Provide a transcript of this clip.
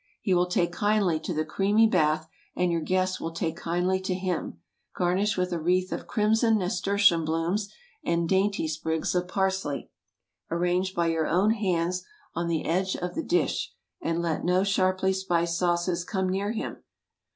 He will take kindly to the creamy bath, and your guests will take kindly to him. Garnish with a wreath of crimson nasturtium blooms and dainty sprigs of parsley, arranged by your own hands on the edge of the dish, and let no sharply spiced sauces come near him.